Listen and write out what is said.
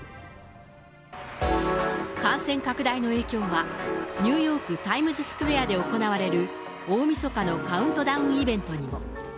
感染拡大の影響は、ニューヨーク・タイムズスクエアで行われる大みそかのカウントダウンイベントにも。